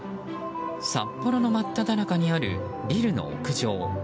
札幌の真っただ中にあるビルの屋上。